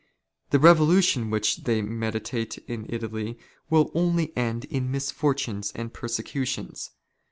The revolution which they meditate in " Italy will only end in misfortunes and persecutions.